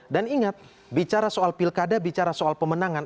dan ingat bicara soal pilkada bicara soal pemenangan